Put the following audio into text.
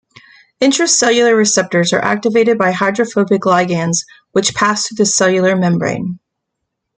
Intracellular receptors are activated by hydrophobic ligands which pass through the cellular membrane.